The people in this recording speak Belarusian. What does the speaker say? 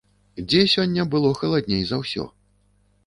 Дзе сёння было халадней за ўсё?